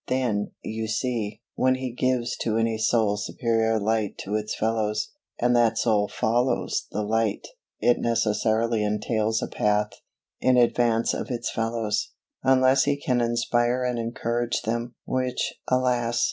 Then, you see, when He gives to any soul superior light to its fellows, and that soul follows the light, it necessarily entails a path in advance of its fellows. Unless he can inspire and encourage them (which, alas!